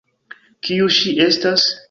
Kiu ŝi estas?